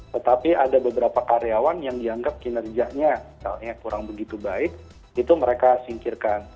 tetapi ada beberapa karyawan yang dianggap kinerjanya kurang begitu baik itu mereka singkirkan